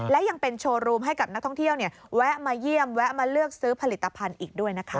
และยังเป็นโชว์รูมให้กับนักท่องเที่ยวแวะมาเยี่ยมแวะมาเลือกซื้อผลิตภัณฑ์อีกด้วยนะคะ